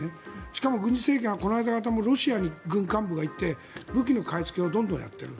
しかも軍事政権はこの間もロシアに軍幹部が行って武器の買いつけをどんどんやっている。